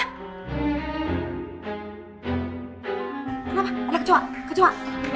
kenapa ada kecoa kecoa